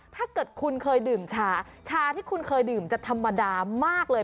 ถ้าเกิดคุณเคยดื่มชาชาที่คุณเคยดื่มจะธรรมดามากเลย